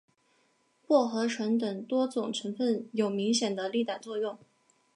薄荷醇等多种成分有明显的利胆作用。